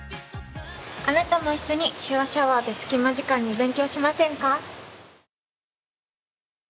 あなたも一緒に「手話シャワー」で隙間時間に勉強しませんか？